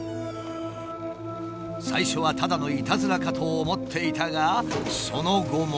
最初はただのいたずらかと思っていたがその後も。